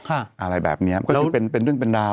อะไรแบบนี้ก็เป็นเรื่องเป็นดาว